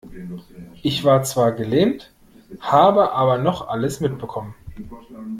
Ich war zwar gelähmt, habe aber noch alles mitbekommen.